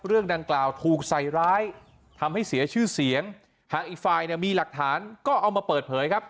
เรื่องดังกล่าวถูกใส่ร้ายทำให้เสียชื่อเสียงหากอีกฝ่ายเนี่ยมีหลักฐานก็เอามาเปิดเผยครับ